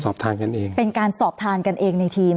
ทานกันเองเป็นการสอบทานกันเองในทีม